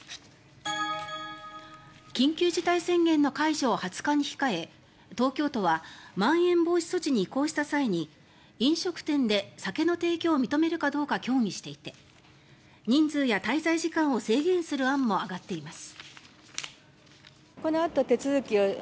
緊急事態宣言の解除を２０日に控え東京都はまん延防止措置に移行した際に飲食店で酒の提供を認めるかどうか協議していて人数や滞在時間を制限する案も上がっています。